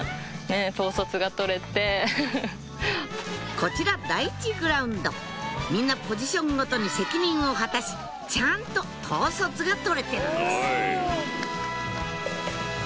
こちら第１グラウンドみんなポジションごとに責任を果たしちゃんと統率が取れてるんですお！